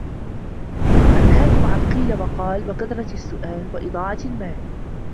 أَنْهَاكُمْ عَنْ قِيلَ وَقَالَ وَكَثْرَةِ السُّؤَالِ وَإِضَاعَةِ الْمَالِ